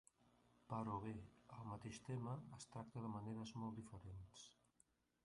Però bé, el mateix tema es tracta de maneres molt diferents.